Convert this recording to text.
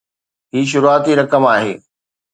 هي شروعاتي رقم آهي.